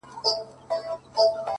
چاته يې لمنه كي څـه رانــه وړل ـ